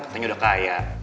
katanya udah kaya